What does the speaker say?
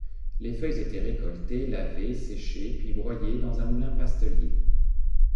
Les feuilles étaient récoltées, lavées, séchées, puis broyées dans un moulin pastellier.